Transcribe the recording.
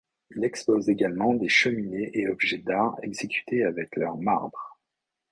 Ils exposent également des cheminées et objets d'art exécutés avec leurs marbres.